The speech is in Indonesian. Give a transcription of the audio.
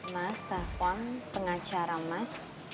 mas tafwang pengacara mas